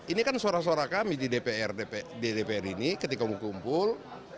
ini kan suara suara kami di dpr ini ketika mau kumpul